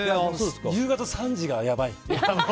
夕方３時がやばい。